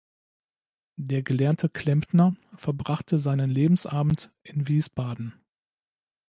Der gelernte Klempner verbrachte seinen Lebensabend in Wiesbaden.